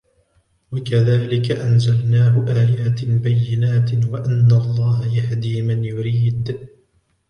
وَكَذَلِكَ أَنْزَلْنَاهُ آيَاتٍ بَيِّنَاتٍ وَأَنَّ اللَّهَ يَهْدِي مَنْ يُرِيدُ